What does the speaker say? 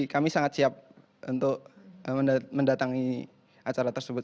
kami sangat siap untuk mendatangi acara tersebut